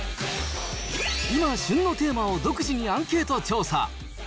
今、旬のテーマを独自にアンケート調査。